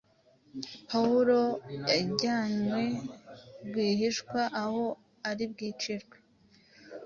Pawulo yajyanywe rwihishwa aho ari bwicirwe.